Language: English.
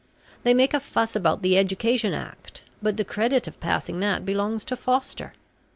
They make a fuss about the Education Act, but the credit of passing that belongs to Foster.